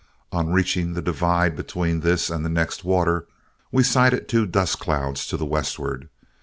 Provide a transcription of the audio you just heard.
On reaching the divide between this and the next water, we sighted two dust clouds to the westward.